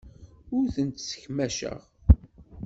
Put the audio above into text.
Ur tent-ssekmaceɣ.